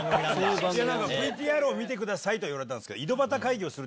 ＶＴＲを見てくださいとは言われたんですけど。